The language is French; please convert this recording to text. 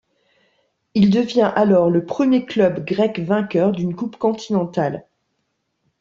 Il devient alors le premier club grec vainqueur d'une coupe continentale.